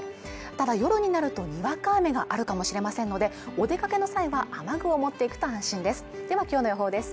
ただ夜になるとにわか雨があるかもしれませんのでお出かけの際は雨具を持っていくと安心ですではきょうの予報です